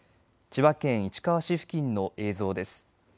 千葉県市川市付近の映像です。